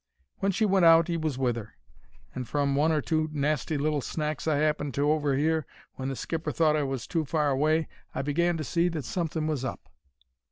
When she went out 'e was with 'er, and, from one or two nasty little snacks I 'appened to overhear when the skipper thought I was too far away, I began to see that something was up.